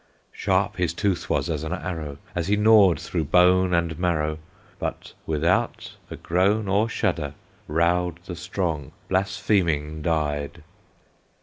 Sharp his tooth was as an arrow, As he gnawed through bone and marrow; But without a groan or shudder, Raud the Strong blaspheming died.